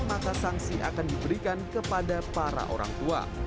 maka sanksi akan diberikan kepada para orang tua